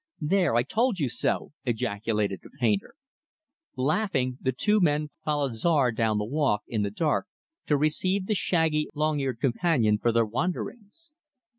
"There, I told you so!" ejaculated the painter. Laughing, the two men followed Czar down the walk, in the dark, to receive the shaggy, long eared companion for their wanderings.